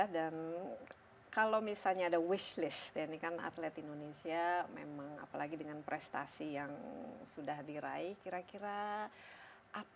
dan kalau misalnya ada wish list ya ini kan atlet indonesia memang apalagi dengan prestasi yang sudah diraih kira kira apa